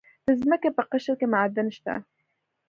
د ځمکې په قشر کې معادن شته.